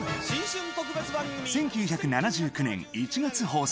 １９７９年１月放送。